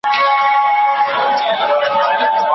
زموږ په کلي کي یو کوچنی کتابتون و.